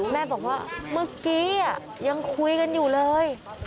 แม่บอกว่าเมื่อกี้ยังคุยกันอยู่เลย